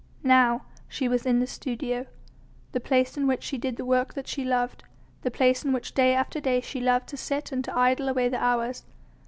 Now she was in the studio. The place in which she did the work that she loved, the place in which day after day she loved to sit and to idle away the hours.